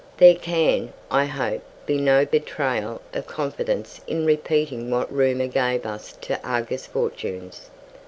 There can, I hope, be no betrayal of confidence in repeating what rumour gave as to "Argus" fortunes.